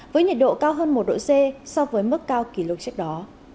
với nhiệt độ cao hơn một độ c so với mức cao kỷ lục trước đó